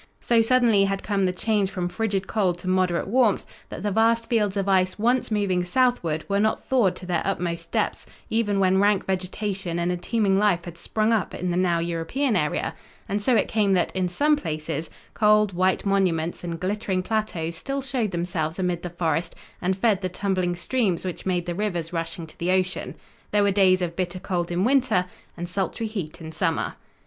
So suddenly had come the change from frigid cold to moderate warmth, that the vast fields of ice once moving southward were not thawed to their utmost depths even when rank vegetation and a teeming life had sprung up in the now European area, and so it came that, in some places, cold, white monuments and glittering plateaus still showed themselves amid the forest and fed the tumbling streams which made the rivers rushing to the ocean. There were days of bitter cold in winter and sultry heat in summer.